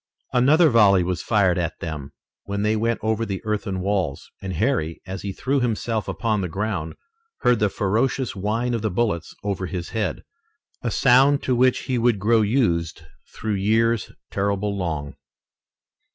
Another volley was fired at them, when they went over the earthen walls, and Harry, as he threw himself upon the ground, heard the ferocious whine of the bullets over his head, a sound to which he would grow used through years terribly long.